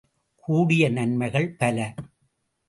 கூடிய நன்மைகள் பல.